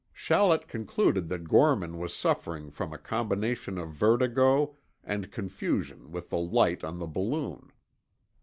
Shallett concluded that Gorman was suffering from a combination of vertigo and confusion with the light on the balloon.